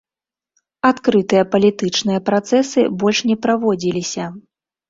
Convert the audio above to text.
Адкрытыя палітычныя працэсы больш не праводзіліся.